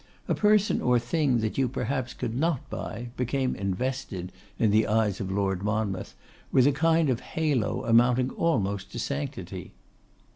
A person or a thing that you perhaps could not buy, became invested, in the eyes of Lord Monmouth, with a kind of halo amounting almost to sanctity.